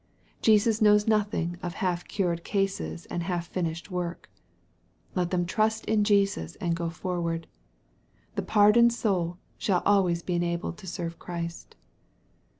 Jesus knows nothing of half cured cases and half finished work. Let them trust in Jesus and go forward. The pardoned soul shall always be enabled to serve Christ.